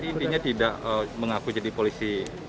intinya tidak mengaku jadi polisi